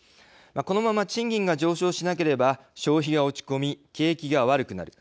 このまま賃金が上昇しなければ消費が落ち込み、景気が悪くなる。